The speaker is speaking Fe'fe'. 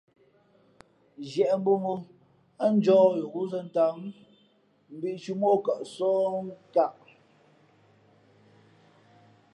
Zhiēʼ mbō mó ά njǒh yo wúzᾱ tām mbīʼtǔmά o kαʼsóh nkāʼ.